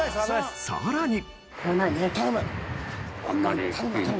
さらに。